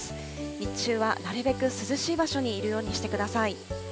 日中はなるべく涼しい場所にいるようにしてください。